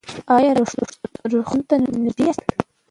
ایا روغتون ته نږدې یاست؟